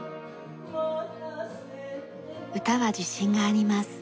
歌は自信があります。